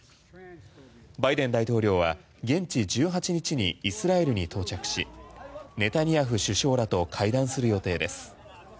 バイデン大統領は現地１８日にイスラエルに到着しネタニヤフ首相らと会談する予定です。